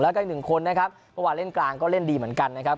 แล้วก็อีกหนึ่งคนนะครับเมื่อวานเล่นกลางก็เล่นดีเหมือนกันนะครับ